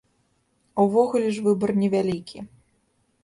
Увогуле ж выбар невялікі.